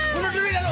bunuh diri dah lu